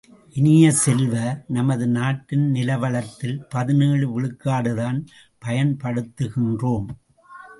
இனிய செல்வ, நமது நாட்டின் நிலவளத்தில் பதினேழு விழுக்காடுதான் பயன் படுத்துகின்றோம்.